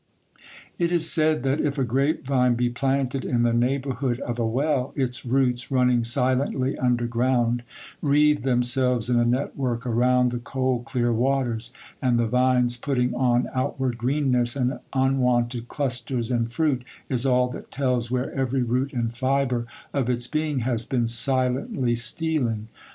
It is said that, if a grape vine be planted in the neighbourhood of a well, its roots, running silently under ground, wreathe themselves in a network around the cold clear waters, and the vine's putting on outward greenness and unwonted clusters and fruit is all that tells where every root and fibre of its being has been silently stealing.